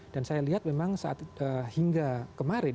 dan saya lihat memang hingga kemarin